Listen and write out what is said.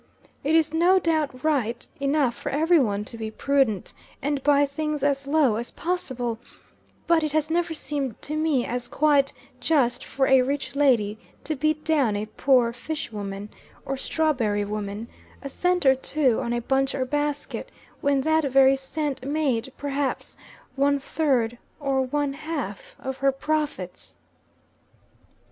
It is no doubt right enough for every one to be prudent, and buy things as low as possible; but it has never seemed to me as quite just for a rich lady to beat down a poor fish woman, or strawberry woman, a cent or two on a bunch or basket, when that very cent made, perhaps, one third, or one half of her profits.